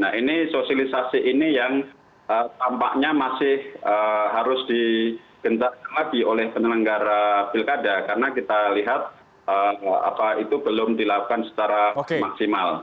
nah ini sosialisasi ini yang tampaknya masih harus dikentaskan lagi oleh penyelenggara pilkada karena kita lihat apa itu belum dilakukan secara maksimal